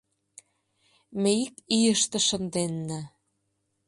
Ме ик ийыште шынденна.